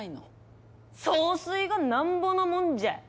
総帥がなんぼのもんじゃい。